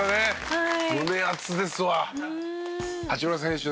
はい。